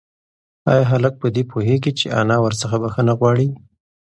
ایا هلک په دې پوهېږي چې انا ورڅخه بښنه غواړي؟